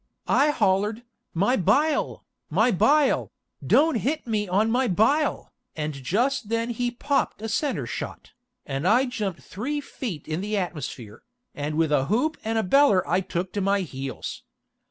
I hollered, "My bile, my bile, don't hit me on my bile," and just then he popped a center shot, and I jumped three feet in the atmosphere, and with a hoop and a beller I took to my heels.